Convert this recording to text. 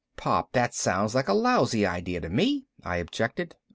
"Pop, that sounds like a lousy idea to me," I objected.